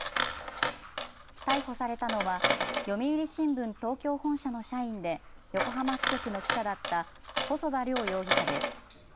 逮捕されたのは読売新聞東京本社の社員で横浜支局の記者だった細田凌容疑者です。